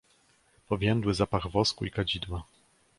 "Powiędły zapach wosku i kadzidła."